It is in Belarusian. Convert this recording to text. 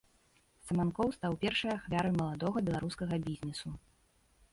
Саманкоў стаў першай ахвярай маладога беларускага бізнесу.